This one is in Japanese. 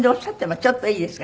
ちょっといいですか？